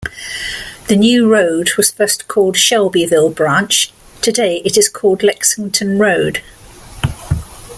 The new road was first called 'Shelbyville Branch', today it is called Lexington Road.